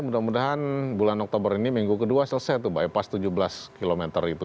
mudah mudahan bulan oktober ini minggu kedua selesai tuh bypass tujuh belas km itu